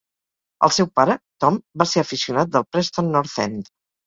El seu pare, Tom, va ser aficionat del Preston North End.